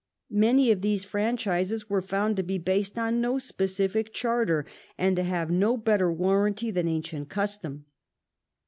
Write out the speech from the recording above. Many of these franchises were found to be based on no specific charter, and to have no better warranty than ancient custom.